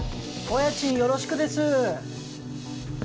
お家賃よろしくです